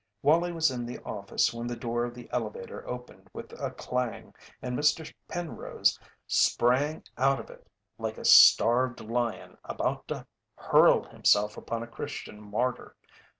Wallie was in the office when the door of the elevator opened with a clang and Mr. Penrose sprang out of it like a starved lion about to hurl himself upon a Christian martyr.